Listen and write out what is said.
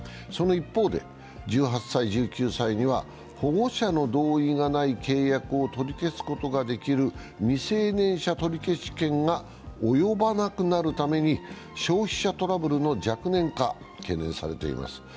その一方で、１８歳、１９歳には保護者の同意がない契約を取り消すことができる未成年者取消権が及ばなくなるために消費者トラブルの若年化懸念されています。